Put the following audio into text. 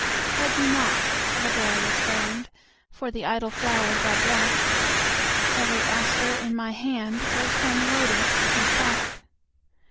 Chide me not, laborious band, For the idle flowers I brought; Every aster in my handGoes home loaded with a thought.